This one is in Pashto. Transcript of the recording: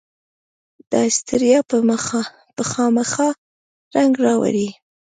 داستړیا به خامخا رنګ راوړي.